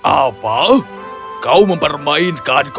apa kau mempermainkanku